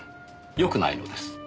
よくないのです。